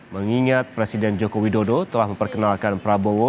mengingat presiden joko widodo telah memperkenalkan prabowo